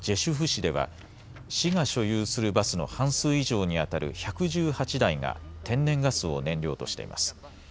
市では市が所有するバスの半数以上にあたる１１８台が天然ガスを燃料としています。